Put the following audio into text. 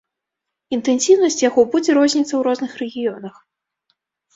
Інтэнсіўнасць яго будзе розніцца ў розных рэгіёнах.